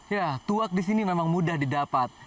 ya tuak di sini memang mudah didapat